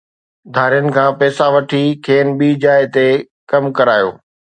ڌارين کان پئسا وٺي کين ٻي جاءِ تي ڪم ڪرايو